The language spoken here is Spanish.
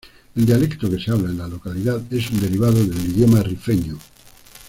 El dialecto que se habla en la localidad es un derivado del Idioma rifeño.